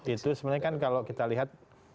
itu sebenarnya kan kalau kita lihat